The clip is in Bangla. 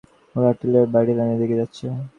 ওরা আর্টিলারি ব্যাটালিয়নের দিকে যাচ্ছে!